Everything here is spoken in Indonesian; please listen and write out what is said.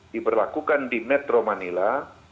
diberlakukan di metro manila